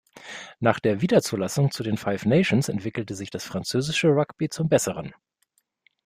Nach der Wiederzulassung zu den Five Nations entwickelte sich das französische Rugby zum Besseren.